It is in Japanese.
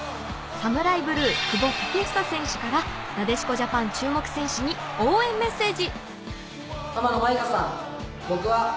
ＳＡＭＵＲＡＩＢＬＵＥ・久保建英選手からなでしこジャパン注目選手に応援メッセージ。